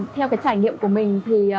theo trải nghiệm của mình